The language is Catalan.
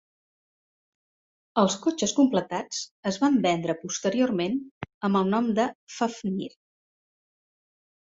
Els cotxes completats es van vendre posteriorment amb del nom de "Fafnir".